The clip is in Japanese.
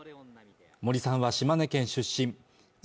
森さんは島根県出身